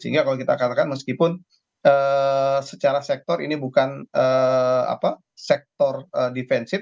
sehingga kalau kita katakan meskipun secara sektor ini bukan sektor defensif